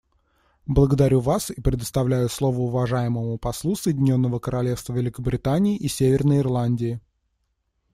Благодарю вас и предоставляю слово уважаемому послу Соединенного Королевства Великобритании и Северной Ирландии.